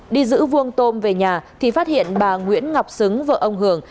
đi giữ vuông tôm về nhà thì phát hiện bà nguyễn ngọc xứng vợ ông hường